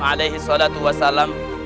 alayhi salatu wasalam